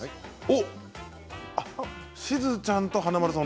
しずちゃんと華丸さん